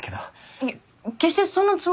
いえ決してそんなつもりじゃ。